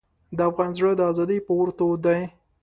د افغان زړه د ازادۍ په اور تود دی.